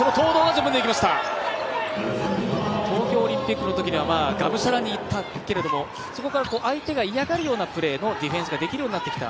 東京オリンピックのときにはがむしゃらにいったけれども、そこから相手が嫌がるようなプレーのディフェンスができるようになってきた。